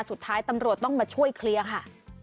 สุดท้ายตำรวจต้องมาช่วยเคลียร์ค่ะ